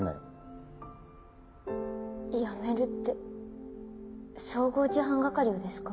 辞めるって総合事犯係をですか？